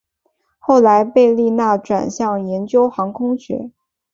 后来贝利纳转向研究航空学。